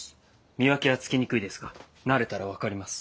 見分けはつきにくいですが慣れたら分かります。